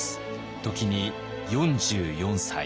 時に４４歳。